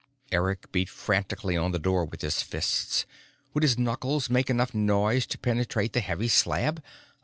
Eric beat frantically on the door with his fists. Would his knuckles make enough noise to penetrate the heavy slab?